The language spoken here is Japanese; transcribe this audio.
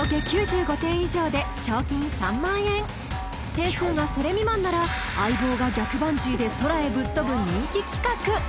点数がそれ未満なら相棒が逆バンジーで空へぶっ飛ぶ人気企画